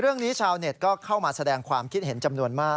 ชาวเน็ตก็เข้ามาแสดงความคิดเห็นจำนวนมาก